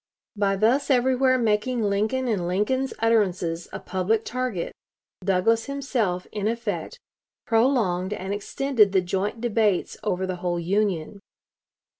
By thus everywhere making Lincoln and Lincoln's utterances a public target, Douglas himself, in effect, prolonged and extended the joint debates over the whole Union.